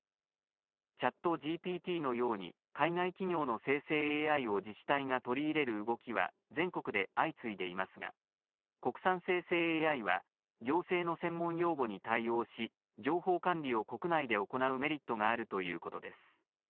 ＣｈａｔＧＰＴのように海外企業の生成ＡＩを自治体が取り入れる動きは全国で相次いでいますが、国産生成ＡＩは行政の専門用語に対応し情報管理を国内で行うメリットがあるということです。